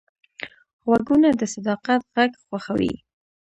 غوږونه د صداقت غږ خوښوي